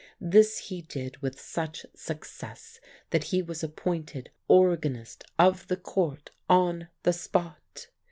This he did with such success that he was appointed organist of the Court on the spot.